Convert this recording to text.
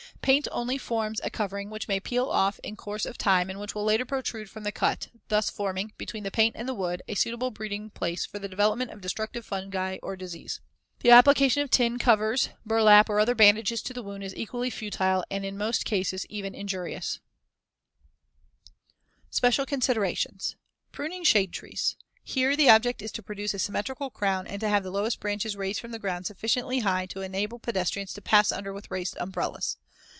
Paint only forms a covering, which may peel off in course of time and which will later protrude from the cut, thus forming, between the paint and the wood, a suitable breeding place for the development of destructive fungi or disease. The application of tin covers, burlap, or other bandages to the wound is equally futile and in most cases even injurious. [Illustration: FIG. 115. Result of a Wound not Covered with Coal Tar. The exposed wood cracked and decay set in.] SPECIAL CONSIDERATIONS Pruning shade trees: Here, the object is to produce a symmetrical crown and to have the lowest branches raised from the ground sufficiently high to enable pedestrians to pass under with raised umbrellas.